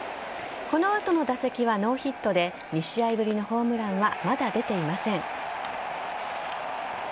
この後の打席はノーヒットで２試合ぶりのホームランはまだ出ていません。